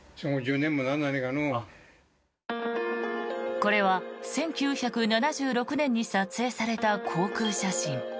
これは１９７６年に撮影された航空写真。